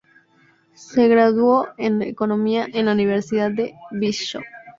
Se graduó en economía en la Universidad de Bishop.